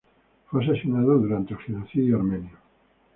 Fue asesinado durante el genocidio armenio.